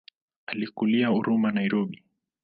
Alikulia Huruma Nairobi.